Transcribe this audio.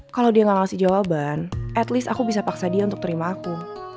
kalau dia gak ngasih jawaban at least aku bisa paksa dia untuk terima aku